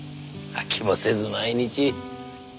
飽きもせず毎日。